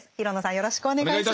よろしくお願いします。